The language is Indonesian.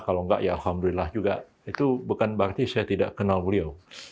kalau enggak ya alhamdulillah juga itu bukan berarti saya tidak kenal beliau